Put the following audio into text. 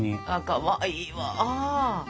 かわいいわ。